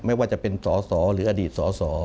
ไม่ว่าจะเป็นสอสอหรืออดีตสส